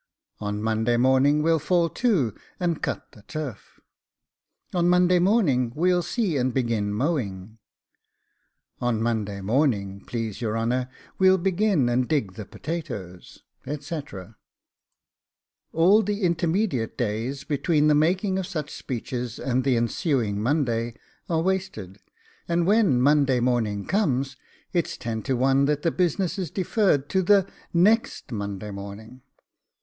On Monday morning we'll fall to, and cut the turf. On Monday morning we'll see and begin mowing. On Monday morning, please your honour, we'll begin and dig the potatoes,' etc. All the intermediate days, between the making of such speeches and the ensuing Monday, are wasted: and when Monday morning comes, it is ten to one that the business is deferred to THE NEXT Monday morning.